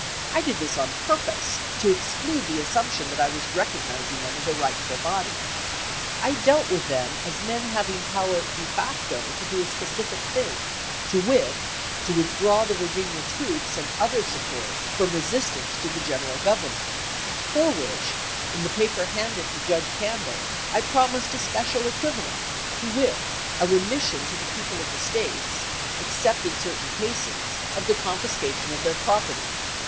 I did this on purpose to exclude the assump tion that I was recognizing them as a rightful body. I dealt with them as men having power de facto to do a specific thing, to wit :" to withdraw the Virginia troops and other support from resistance to the General Govern ment," for which, in the paper handed to Judge Camp bell, I promised a special equivalent, to wit : a remission to the people of the State, except in certain cases, of the confiscation of their property.